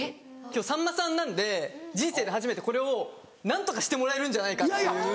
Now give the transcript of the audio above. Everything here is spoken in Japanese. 今日さんまさんなんで人生で初めてこれを何とかしてもらえるんじゃないかっていう。